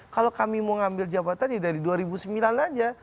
kalau kami mau ngambil jabatan ya dari dua ribu sembilan aja